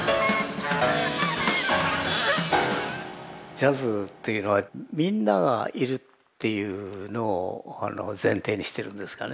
ジャズっていうのはみんながいるっていうのを前提にしてるんですがね。